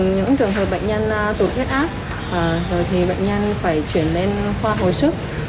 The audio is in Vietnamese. những trường hợp bệnh nhân tụt huyết áp rồi thì bệnh nhân phải chuyển lên khoa hồi sức